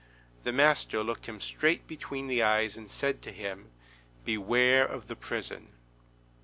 The master looked him straight between the eyes, and said to him _"Beware of the prison."